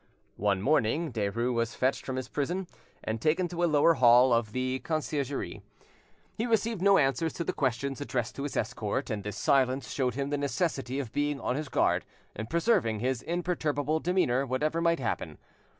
One morning Derues was fetched from his prison and taken to a lower hall of the Conciergerie. He received no answers to the questions addressed to his escort, and this silence showed him the necessity of being on his guard and preserving his imperturbable demeanour whatever might happen.